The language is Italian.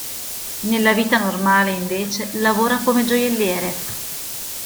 Nella vita normale, invece, lavora come gioielliere.